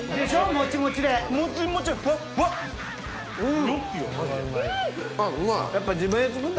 もちもちでうん！